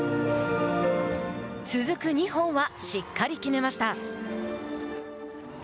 続く２本はしっかり決めました。